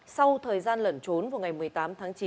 sau thời gian lẩn trốn vào ngày một mươi tám tháng chín